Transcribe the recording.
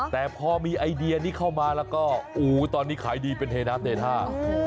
แต่พอมีไอเดียนี้เข้ามาแล้วก็อู๋ตอนนี้ขายดีเป็นเทน้ำเทท่า